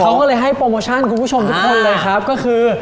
เขาก็เลยให้โปรโมชั่นคุณผู้ชมทุกคนเลยครับก็คือ